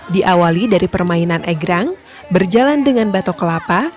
diawali dari permainan egrang berjalan dengan batok kelapa